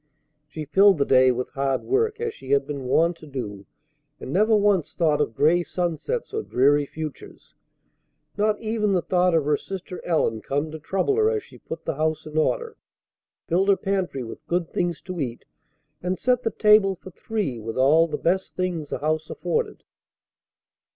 She filled the day with hard work, as she had been wont to do, and never once thought of gray sunsets or dreary futures. Not even the thought of her sister Ellen came to trouble her as she put the house in order, filled her pantry with good things to eat, and set the table for three with all the best things the house afforded.